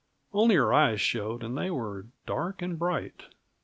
Only her eyes showed, and they were dark and bright.